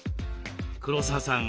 黒沢さん